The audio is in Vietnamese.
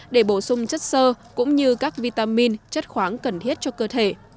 để bổ sung chất sơ cũng như các vitamin chất khoáng cần thiết cho cơ thể